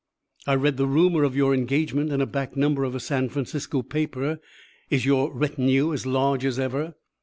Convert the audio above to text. "I read the rumor of your engagement in a back number of a San Francisco paper. Is your retinue as large as ever?"